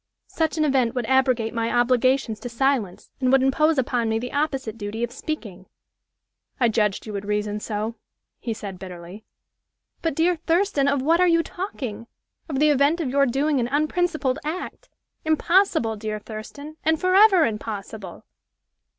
Such an event would abrogate my obligations to silence, and would impose upon me the opposite duty of speaking." "I judged you would reason so," he said, bitterly. "But, dear Thurston, of what are you talking? Of the event of your doing an unprincipled act! Impossible, dear Thurston! and forever impossible!"